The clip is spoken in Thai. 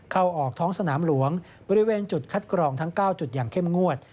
เข้าออกท้องสนามหลวงบริเวณจุดคัดกรองทั้ง๙จุดอย่างเข้มงวด